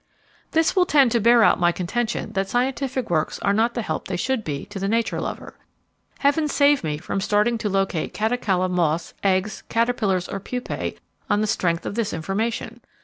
This will tend to bear out my contention that scientific works are not the help they should be to the Nature Lover. Heaven save me from starting to locate Catocala moths, eggs, caterpillars or pupae on the strength of this information.